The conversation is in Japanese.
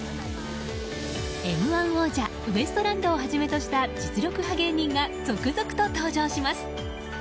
「Ｍ‐１」王者ウエストランドを初めとした実力派芸人が続々と登場します。